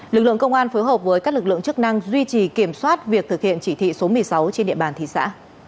lực lượng công an phối hợp với các lực lượng chức năng duy trì kiểm soát việc thực hiện chỉ thị số một mươi sáu trên địa bàn thị xã